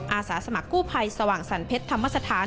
อาสาสมัครกู้ภัยสว่างสรรเพชรธรรมสถาน